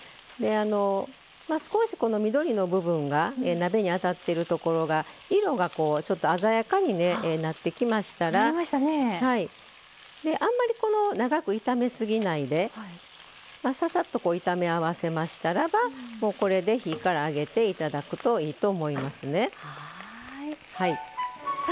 少し緑の部分が鍋に当たっているところが色が鮮やかになってきましたらあんまり長く炒めすぎないでささっと炒め合わせましたらこれで火からあげていただくといいと思いますね。